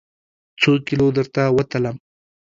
څوکیلو درته وتلم؟